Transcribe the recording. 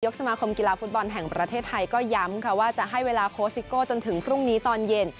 สมาคมกีฬาฟุตบอลแห่งประเทศไทยก็ย้ำค่ะว่าจะให้เวลาโคสิโก้จนถึงพรุ่งนี้ตอนเย็น